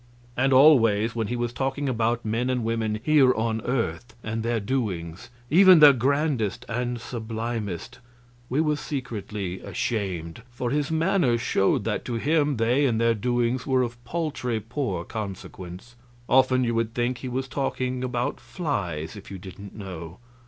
And always when he was talking about men and women here on the earth and their doings even their grandest and sublimest we were secretly ashamed, for his manner showed that to him they and their doings were of paltry poor consequence; often you would think he was talking about flies, if you didn't know.